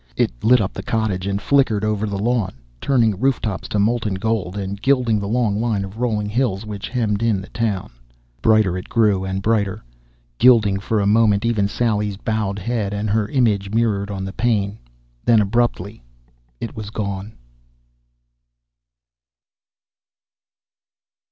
It lit up the cottage and flickered over the lawn, turning rooftops to molten gold and gilding the long line of rolling hills which hemmed in the town. Brighter it grew and brighter, gilding for a moment even Sally's bowed head and her image mirrored on the pane. Then, abruptly, it was gone